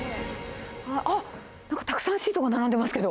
あ、なんかたくさんシートが並んでますけど。